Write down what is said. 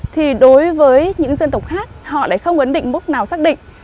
thì đối với những dân tộc khác họ lại không ấn định mức nào xác định